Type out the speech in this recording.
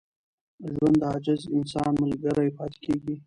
ژوند د عاجز انسان ملګری پاتې کېږي.